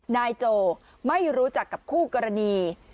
นายโจไม่รู้จักกับคู่กรณี